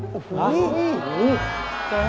ได้ค่ะคุณบอยโอ้โฮ